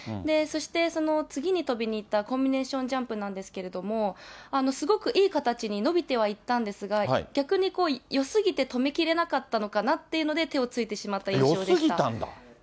そして次に跳びにいったコンビネーションジャンプなんですけれども、すごくいい形に伸びてはいったんですが、逆によすぎて止めきれなかったのかなっていうので、手をついてしまった印象でした。